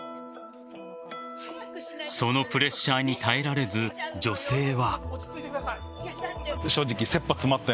そのプレッシャーに耐えられず女性は。